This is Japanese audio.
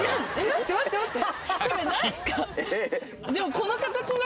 待って待って待って。